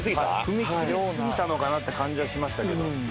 踏み切りすぎたのかなって感じはしましたけど。